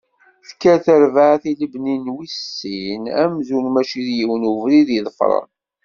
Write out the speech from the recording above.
Tekker terbaɛt i lebni n wis sin, amzun mačči d yiwen n ubrid i ḍefren.